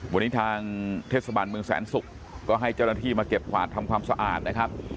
วันนี้ทางเทศบาลเมืองแสนศุกร์ก็ให้เจ้าหน้าที่มาเก็บขวาดทำความสะอาดนะครับ